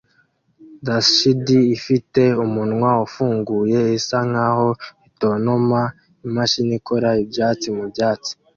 Daschund ifite umunwa ufunguye isa nkaho itontoma imashini ikora ibyatsi mubyatsi